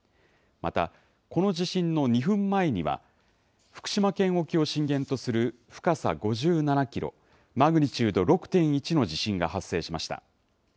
また、この地震の２分前には福島県沖を震源とする深さ５７キロ、マグニチュード６．１の地震が発生しました。